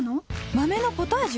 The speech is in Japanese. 豆のポタージュ！？